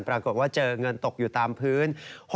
ปรากฏว่าเจอเงินตกอยู่ตามพื้น